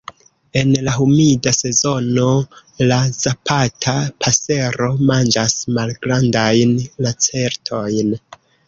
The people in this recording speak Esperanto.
En la humida sezono la Zapata pasero manĝas malgrandajn lacertojn.